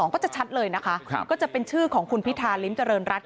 ก็จะชัดเลยนะคะก็จะเป็นชื่อของคุณพิธาริมเจริญรัฐ